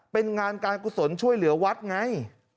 เป็นงานการกุศลช่วยเหลือวัดไง